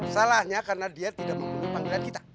salahnya karena dia tidak memenuhi panggilan kita